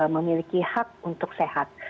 memiliki hak untuk sehat